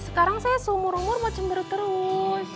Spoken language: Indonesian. sekarang saya sumur umur mau cemberut terus